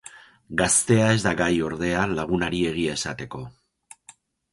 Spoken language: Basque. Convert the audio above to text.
Gaztea ez da gai ordea, lagunari egia esateko.